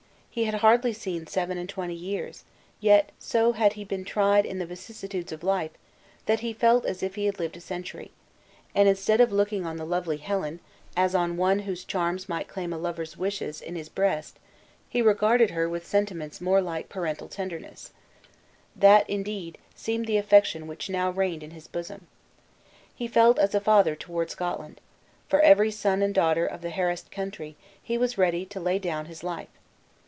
He had hardly seen seven and twenty years, yet so had he been tried in the vicissitudes of life, that he felt as if he had lived a century; and instead of looking on the lovely Helen as on one whose charms might claim a lover's lovely Helen as on one whose charms might claim a lover's wishes in his breast, he regarded her with sentiments more like parental tenderness. That, indeed, seemed the affection which now reigned in his bosom. He felt as a father toward Scotland. For every son and daughter of that harassed country, he was ready to lay down his life.